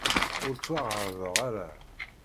Ur ttwaɛerḍeɣ ara.